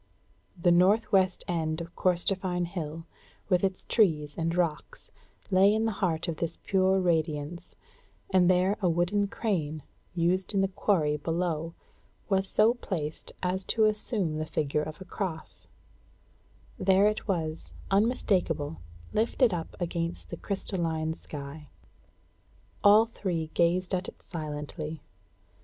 The northwest end of Corstorphine Hill, with its trees and rocks, lay in the heart of this pure radiance, and there a wooden crane, used in the quarry below, was so placed as to assume the figure of a cross; there it was, unmistakable, lifted up against the crystalline sky. All three gazed at it silently.